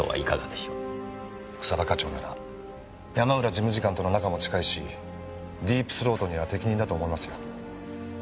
草葉課長なら山浦事務次官との仲も近いしディープ・スロートには適任だと思いますよ。